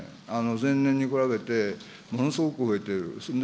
前年に比べてものすごく増えている。